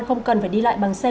không cần phải đi lại bằng xe